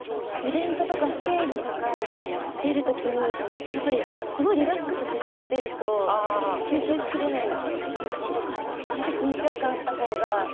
イベントとかステージとかに出る時にやっぱりすごいリラックスし過ぎてると集中しきれない気がするからちょっと緊張感あった方が。